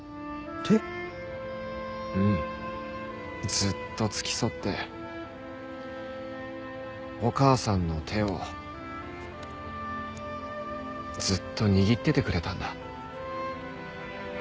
ずっと付き添ってお母さんの手をずっと握っててくれたんだ。